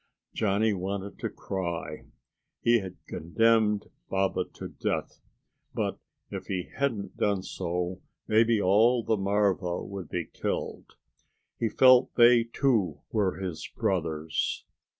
Johnny wanted to cry. He had condemned Baba to death, but if he hadn't done so, maybe all the marva would be killed. He felt they, too, were his brothers.